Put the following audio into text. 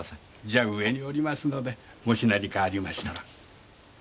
じゃ上におりますのでもし何かありましたら。